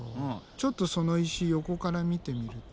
ちょっとその石横から見てみると。